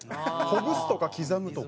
「ほぐす」とか「刻む」とか。